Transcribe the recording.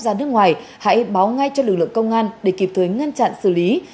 ra nước ngoài hãy báo ngay cho lực lượng công an để kịp thời ngăn chặn xử lý